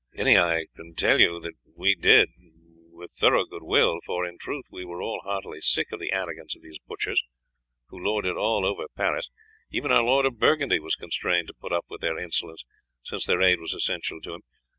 Any I can tell you that we did it with thorough good will, for in truth we were all heartily sick of the arrogance of these butchers, who lorded over all Paris; even our Lord of Burgundy was constrained to put up with their insolence, since their aid was essential to him.